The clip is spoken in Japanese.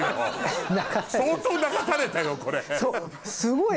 相当流されたよこれ。